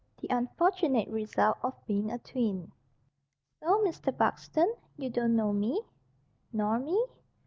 THE UNFORTUNATE RESULT OF BEING A TWIN. "So, Mr. Buxton, you don't know me?" "Nor me?"